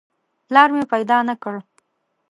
پلار مې پیدا نه کړ.